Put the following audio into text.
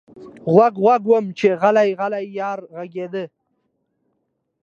غوږ، غوږ ومه چې غلـــــــی، غلـــی یار غږېده